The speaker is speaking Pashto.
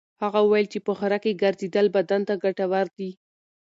هغه وویل چې په غره کې ګرځېدل بدن ته ګټور دي.